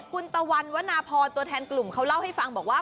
คุณตะวันวนาพรตัวแทนกลุ่มเขาเล่าให้ฟังบอกว่า